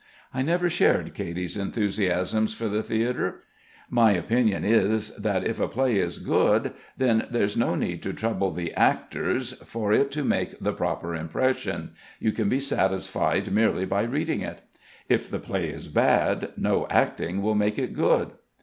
I never shared Katy's enthusiasms for the theatre. My opinion is that if a play is good then there's no need to trouble the actors for it to make the proper impression; you can be satisfied merely by reading it. If the play is bad, no acting will make it good.